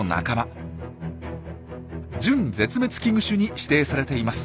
準絶滅危惧種に指定されています。